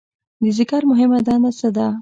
د ځیګر مهمه دنده څه ده؟